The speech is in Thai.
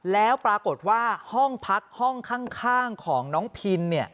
แล้วปรากฏว่าห้องพักห้องข้างของน้องพิน